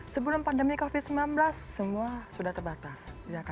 sebelum pandemi covid sembilan belas semua sudah terbatas